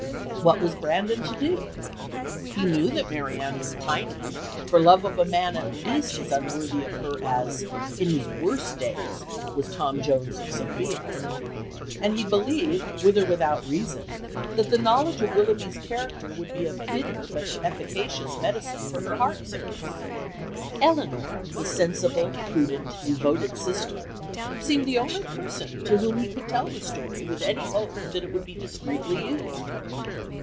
What was Brandon to do? He knew that Marianne was pining for love of a man at least as unworthy of her as, in his worst days, was Tom Jones of Sophia, and he believed, with or without reason, that the knowledge of Willoughby's character would be a bitter but efficacious medicine for her heart sickness. Elinor, the sensible, prudent, devoted sister, seemed the only person to whom he could tell the story with any hope that it would be discreetly used.